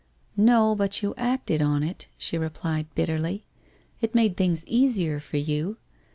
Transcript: ' No, but you acted on it,' she replied bitterly. ' It made things easier for you.